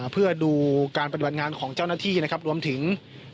เพื่อดูการปฏิบัติงานของเจ้าหน้าที่นะครับรวมถึง